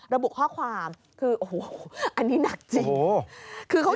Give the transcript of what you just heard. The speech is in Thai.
ระบุข้อความคือโอ้โหอันนี้หนักจริง